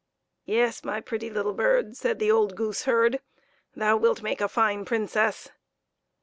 " Yes, my pretty little bird," said the old goose herd, " thou wilt make a fine Princess